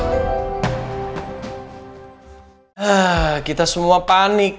oh kita semua panik